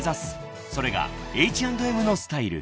［それがＨ＆Ｍのスタイル］